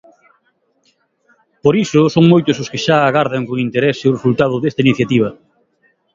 Por iso son moitos os que xa agardan con interese o resultado desta iniciativa.